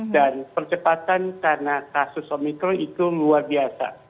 dan percepatan karena kasus omikron itu luar biasa